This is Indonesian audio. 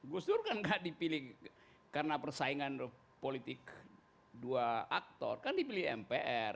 gus dur kan gak dipilih karena persaingan politik dua aktor kan dipilih mpr